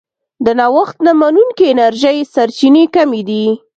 د نوښت نه منونکې انرژۍ سرچینې کمې دي.